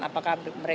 apakah mereka baru